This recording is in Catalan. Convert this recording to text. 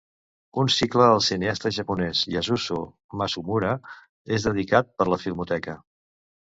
Un cicle al cineasta japonès Yasuzô Masumura és dedicat per la Filmoteca.